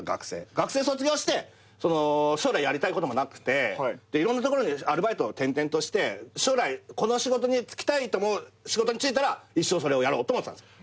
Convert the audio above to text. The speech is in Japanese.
学生卒業して将来やりたいこともなくていろんなところでアルバイトを転々として将来この仕事に就きたいと思う仕事に就いたら一生それをやろうと思ってたんす。